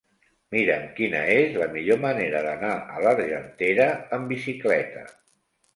Mira'm quina és la millor manera d'anar a l'Argentera amb bicicleta.